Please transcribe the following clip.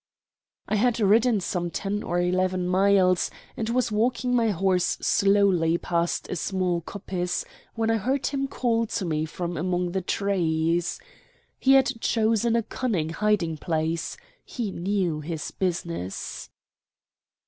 I had ridden some ten or eleven miles, and was walking my horse slowly past a small coppice, when I heard him call to me from among the trees. He had chosen a cunning hiding place. He knew his business.